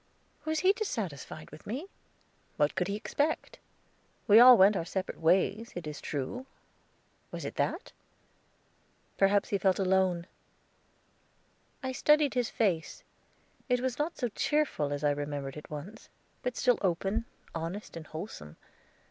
Was he dissatisfied with me? What could he expect? We all went our separate ways, it is true; was it that? Perhaps he felt alone. I studied his face; it was not so cheerful as I remembered it once, but still open, honest, and wholesome.